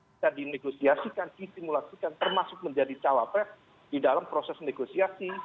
bisa dinegosiasikan disimulasikan termasuk menjadi cawapres di dalam proses negosiasi